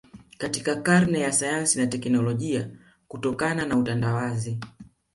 Katika karne ya sayansi na teknolojia kutokana na utandawazi